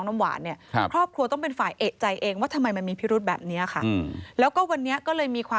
อุบัติเหตุเนี่ยค่ะ